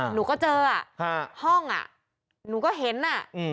หนูก็เจอห้องหนูก็เห็น